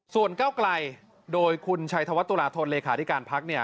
ส่วนก้าวไกลโดยคุณชัยธวัตุลาธนเลขาธิการพักเนี่ย